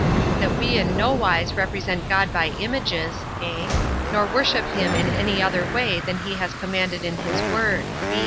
That we in no wise represent God by images, (a) nor worship him in any other way than he has commanded in his word.